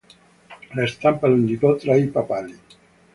La stampa lo indicò tra i papali.